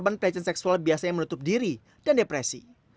karena pelecehan seksual biasanya menutup diri dan depresi